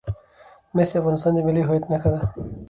مس د افغانستان د ملي هویت نښه ده.